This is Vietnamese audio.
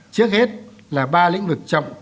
trước hết là ba lĩnh vực trọng nhất